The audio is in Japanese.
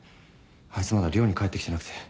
あいつまだ寮に帰ってきてなくて。